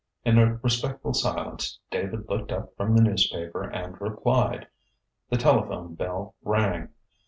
In a respectful silence, David looked up from the newspaper and replied. The telephone bell rang.